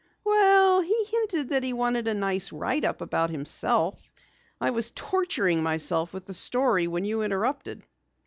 "Well, he hinted that he wanted a nice write up about himself. I was torturing myself with the story when you interrupted."